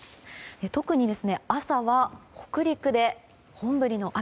特に、朝は北陸で本降りの雨。